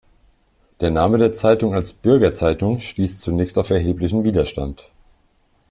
Der Name der Zeitung als „Bürger-Zeitung“ stieß zunächst auf erheblichen Widerstand.